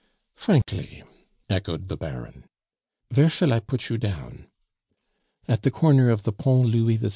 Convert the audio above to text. "Frankly," echoed the Baron. "Vere shall I put you down." "At the corner of the Pont Louis XVI."